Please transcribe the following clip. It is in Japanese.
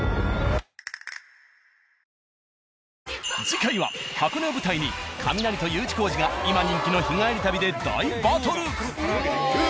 次回は箱根を舞台にカミナリとＵ字工事が今人気の日帰り旅で大バトル。